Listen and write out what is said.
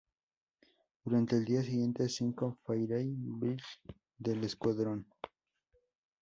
Durante el día siguiente, cinco Fairey Battle del Escuadrón No.